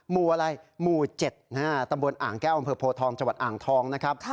หมู่อะไรหมู่๗ตำบลอ่างแก้วอำเภอโพทองจังหวัดอ่างทองนะครับ